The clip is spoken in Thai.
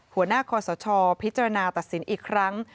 หัวหน้าคอสชพิจารณาตัดสินอีกครั้ง